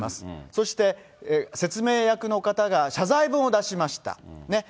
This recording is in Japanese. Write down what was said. そして説明役の方が謝罪文を出しました。